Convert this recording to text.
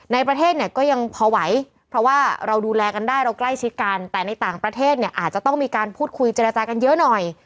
ในประเทศเนี่ยก็ยังพอไหวเพราะว่าเราดูแลกันได้เราใกล้ชิดกันแต่ในต่างประเทศเนี่ยอาจจะต้องมีการพูดคุยเจรจากันเยอะหน่อย